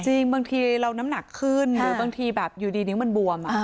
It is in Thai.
จริงบางทีเราน้ำหนักขึ้นหรือบางทีแบบอยู่ดีนิ้วมันบวม